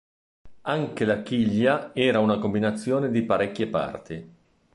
Anche la chiglia era una combinazione di parecchie parti.